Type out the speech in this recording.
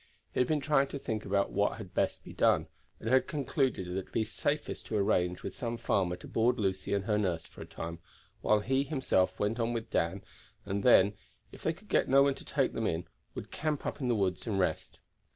He had been trying to think what had best be done, and had concluded that it would be safest to arrange with some farmer to board Lucy and her nurse for a time, while he himself with Dan went a bit further; and then, if they could get no one to take them in, would camp up in the woods and rest.